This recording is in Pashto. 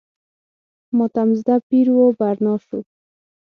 ماتم زده پیر و برنا شو.